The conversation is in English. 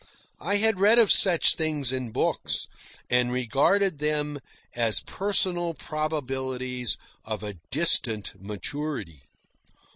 I had read of such things in books, and regarded them as personal probabilities of a distant maturity.